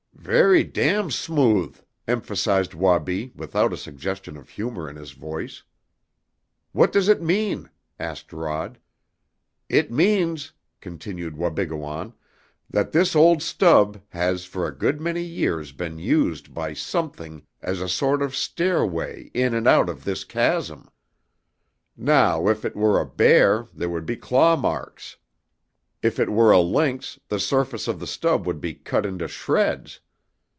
"Ver' dam' smooth!" emphasized Wabi, without a suggestion of humor in his voice. "What does it mean?" asked Rod. "It means," continued Wabigoon, "that this old stub has for a good many years been used by something as a sort of stairway in and out of this chasm! Now if it were a bear, there would be claw marks. If it were a lynx, the surface of the stub would be cut into shreds.